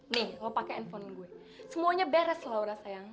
nih lo pake handphone gue semuanya beres laura sayang